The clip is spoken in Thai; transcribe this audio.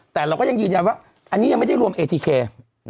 แต่เราก็ยังยืนยันว่าอันนี้ยังไม่ได้รวมเอทีเค